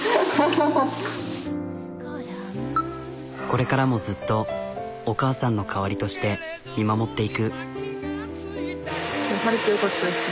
これからもずっとお母さんの代わりとして見守っていく。